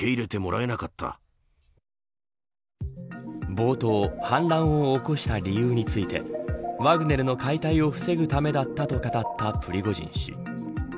冒頭、反乱を起こした理由についてワグネルの解体を防ぐためだったと語ったプリゴジン氏。